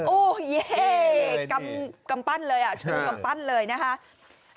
โอ้เย่กำปั้นเลยอ่ะชุดกำปั้นเลยนะฮะอ้าว